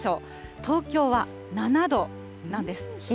東京は７度なんです。